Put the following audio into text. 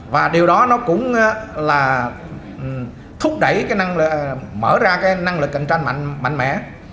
và điều đó nó cũng là thúc đẩy mở ra năng lực cạnh tranh mạnh mẽ